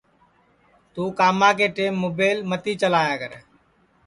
توں کاما کے ٹیم مُبیل متی چلایا کرے